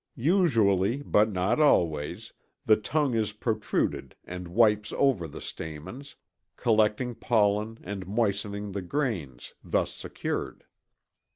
Usually, but not always, the tongue is protruded and wipes over the stamens, collecting pollen and moistening the grains thus secured.